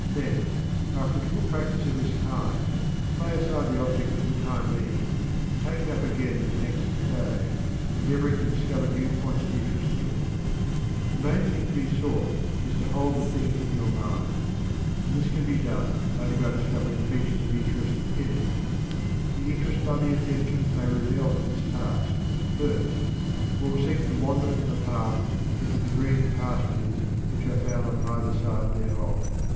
Then, after a little practice of this kind, lay aside the object for the time being, and take it up again the next day, endeavoring to discover new points of interest in it. The main thing to be sought is to hold the thing in your mind, and this can be done only by discovering features of interest in it. The interest loving attention may rebel at this task at first, and will seek to wander from the path into the green pastures which are found on each side thereof.